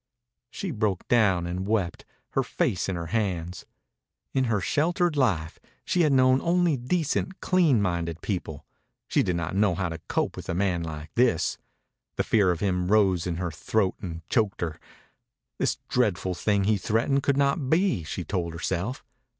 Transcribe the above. She broke down and wept, her face in her hands. In her sheltered life she had known only decent, clean minded people. She did not know how to cope with a man like this. The fear of him rose in her throat and choked her. This dreadful thing he threatened could not be, she told herself.